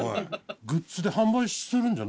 グッズで販売するんじゃ？